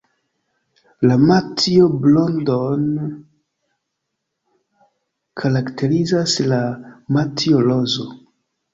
La matjo-brodon karakterizas la "matjo-rozo".